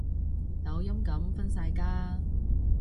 抖音噉分晒家